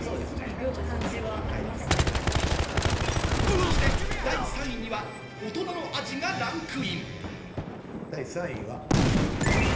そして第３位には、大人の味がランクイン。